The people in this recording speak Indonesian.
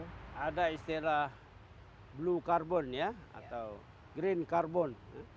jadi ada istilah blue carbon ya atau green carbon